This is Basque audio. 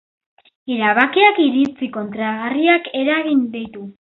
Erabakiak iritzi kontrajarriak eragin ditu.